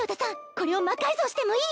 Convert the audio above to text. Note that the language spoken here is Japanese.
これを魔改造してもいい？